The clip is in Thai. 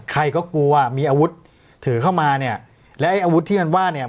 ใครก็กลัวมีอาวุธถือเข้ามาเนี่ยแล้วไอ้อาวุธที่มันว่าเนี่ย